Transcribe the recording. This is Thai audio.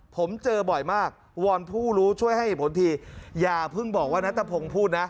ผมเจอบ่อยมากวอนผู้รู้ช่วยให้เหตุผลทีอย่าเพิ่งบอกว่านัทพงศ์พูดนะ